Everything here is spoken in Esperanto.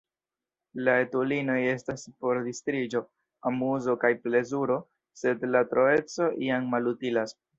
La etulinoj estas por distriĝo, amuzo kaj plezuro, sed la troeco jam malutilas!